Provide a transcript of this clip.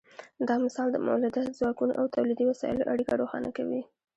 دا مثال د مؤلده ځواکونو او تولیدي وسایلو اړیکه روښانه کوي.